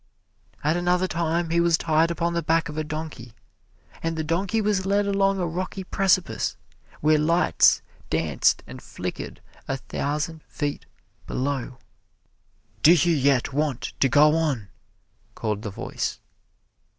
At another time he was tied upon the back of a donkey and the donkey was led along a rocky precipice, where lights danced and flickered a thousand feet below. "Do you yet want to go on?" called the voice.